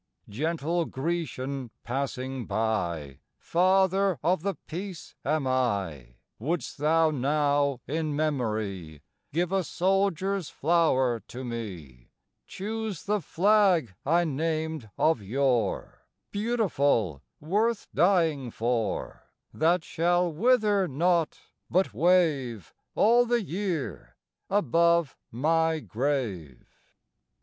II Gentle Grecian passing by, Father of thy peace am I: Wouldst thou now, in memory, Give a soldier's flower to me, Choose the flag I named of yore Beautiful Worth dying for, That shall wither not, but wave All the year above my grave.